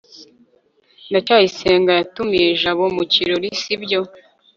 ndacyayisenga yatumiye jabo mu kirori, si byo